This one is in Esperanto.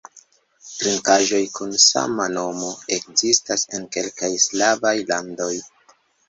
Trinkaĵoj kun sama nomo ekzistas en kelkaj slavaj landoj.